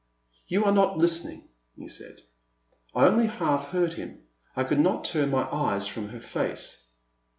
'* You are not listening,*' he said. I only half heard him ; I could not turn my eyes from her face.